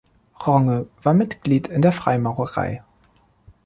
Ronge war Mitglied in der Freimaurerei.